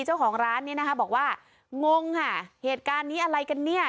เจ้าของร้านเนี่ยนะคะบอกว่างงค่ะเหตุการณ์นี้อะไรกันเนี่ย